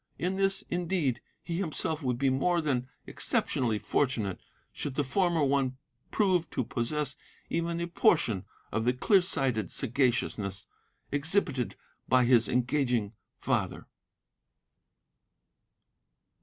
In this, indeed, he himself will be more than exceptionally fortunate should the former one prove to possess even a portion of the clear sighted sagaciousness exhibited by his engaging father.